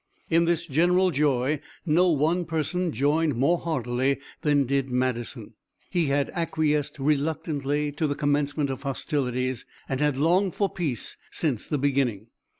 In this general joy no one person joined more heartily than did Madison. He had acquiesced reluctantly to the commencement of hostilities, and had longed for peace since the beginning.